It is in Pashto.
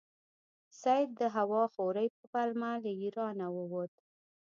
سید د هوا خورۍ په پلمه له ایرانه ووت.